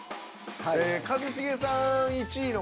一茂さん１位の方。